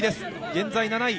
現在７位。